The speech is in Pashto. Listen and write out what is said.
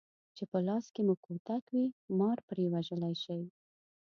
چې په لاس کې مو کوتک وي مار پرې وژلی شئ.